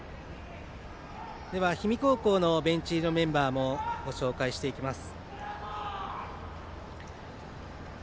では氷見高校のベンチ入りのメンバーもご紹介していきます。